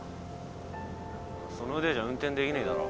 その腕じゃ運転できねえだろ。